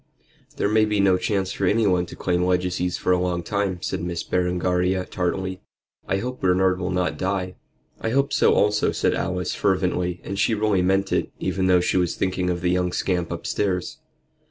"There may be no chance for anyone to claim legacies for a long time," said Miss Berengaria, tartly. "I hope Bernard will not die." "I hope so also," said Alice, fervently; and she really meant it, even though she was thinking of the young scamp upstairs.